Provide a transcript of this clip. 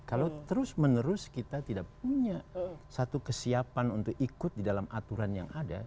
kalau terus menerus kita tidak punya satu kesiapan untuk ikut di dalam aturan yang ada